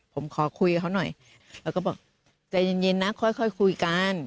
ผมขอคุยกับเขาหน่อยแล้วก็บอกใจเย็นนะค่อยคุยกัน